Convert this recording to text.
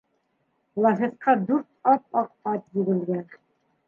Лафетҡа дүрт ап-аҡ ат егелгән.